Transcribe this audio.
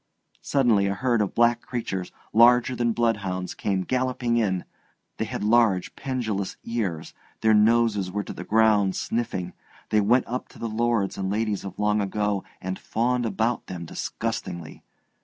Suddenly a herd of black creatures larger than bloodhounds came galloping in; they had large pendulous ears, their noses were to the ground sniffing, they went up to the lords and ladies of long ago and fawned about them disgustingly.